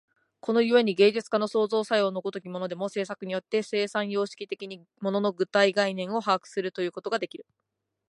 この故に芸術家の創造作用の如きものでも、制作によって生産様式的に物の具体概念を把握するということができる。